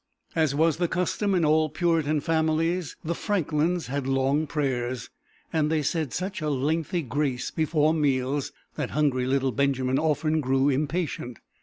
As was the custom in all Puritan families, the Franklins had long prayers, and they said such a lengthy grace before meals that hungry little Benjamin often grew impatient.